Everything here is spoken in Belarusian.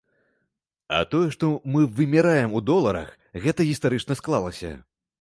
А тое, што мы вымяраем у доларах, гэта гістарычна склалася.